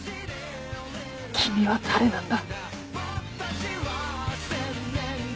君は誰なんだ？